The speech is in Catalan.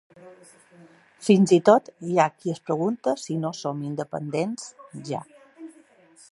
Fins i tot hi ha qui es pregunta si no som independents, ja.